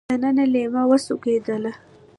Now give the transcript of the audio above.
دننه ليلما وسونګېدله.